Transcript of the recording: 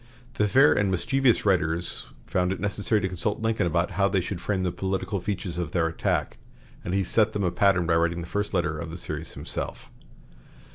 The fair and mischievous writers found it necessary to consult Lincoln about how they should frame the political features of their attack, and he set them a pattern by writing the first letter of the series himself.